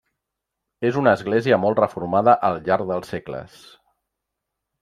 És una església molt reformada al llarg dels segles.